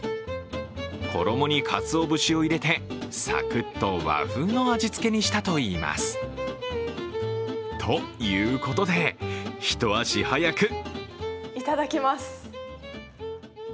衣にかつお節を入れてサクッと和風の味付けにしたといいます。ということで、一足早くいただきます。